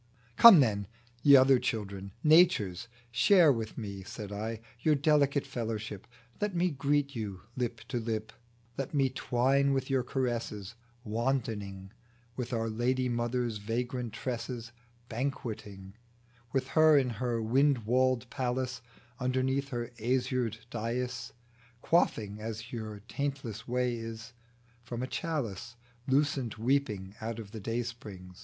*' Come then, ye other children, Nature's share With me " (said I) " your delicate fellowship ; Let me greet you lip to lip, Let me twine with you caresses, Wantoning With our Lady Mother's vagrant tresses, Banqueting With her in her wind walled palace, Underneath her azured dais, Quaffing as your taintless way is, From a chalice Lucent weeping out of the dayspring."